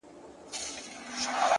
څوک چي ونو سره شپې کوي-